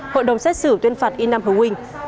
hội đồng xét xử tuyên phạt y nam hồ quỳnh